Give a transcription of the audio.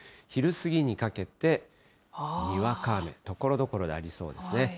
昼過ぎにかけて、にわか雨、ところどころでありそうですね。